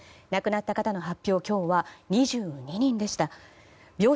亡くなった方の発表は今日は２２人でした。